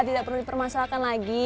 tidak perlu dipermasalahkan lagi